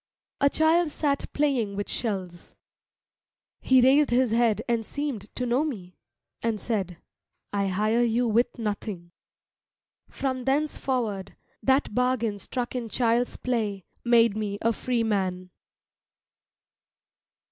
A child sat playing with shells. He raised his head and seemed to know me, and said, "I hire you with nothing." From thenceforward that bargain struck in child's play made me a free man.